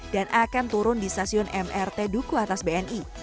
dan akan turun di stasiun mrt duku atas bni